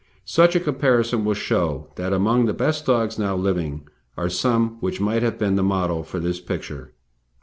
Such a comparison will show that among the best dogs now living are some which might have been the model for this picture.